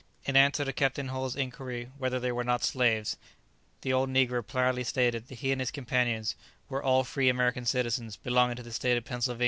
In answer to Captain Hull's inquiry whether they were not slaves, the old negro proudly stated that he and his companions were all free American citizens, belonging to the state of Pennsylvania.